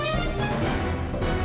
sampai jumpa lagi